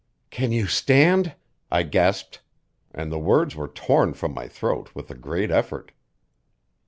"Can you stand?" I gasped; and the words were torn from my throat with a great effort.